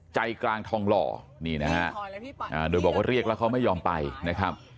ใจกลางทองหล่อนี่นะฮะโดยบอกว่าเรียกแล้วเขาไม่ยอมไปนะครับ